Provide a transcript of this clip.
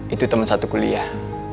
itu temen satu kuliah